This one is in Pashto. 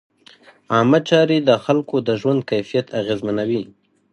عامه چارې د خلکو د ژوند کیفیت اغېزمنوي.